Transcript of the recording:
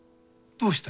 どうした？